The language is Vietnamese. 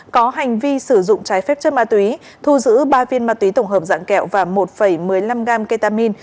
có hành vi sử dụng trái phép chất ma túy thu giữ ba viên ma túy tổng hợp dạng kẹo và một một mươi năm gram ketamine